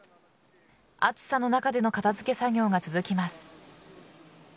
暑さの中での片付け作業が続きます。